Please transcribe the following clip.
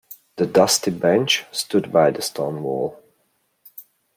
The dusty bench stood by the stone wall.